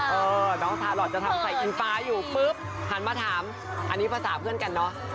เออน้องทารอทจะทำไข่อิงฟ้าอยู่ปุ๊บหันมาถามอันนี้ภาษาเพื่อนกันเนอะ